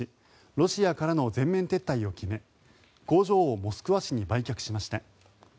ロシアからの全面撤退を決め工場をモスクワ市に売却しました。